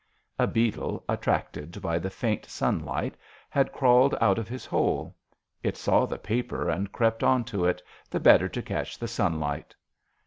A beetle, attracted by the faint sunlight, had crawled out of his hole. It saw the paper and crept on to it, the better to catch the sunlight.